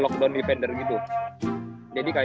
soalnya punya pendapat konsumasi kan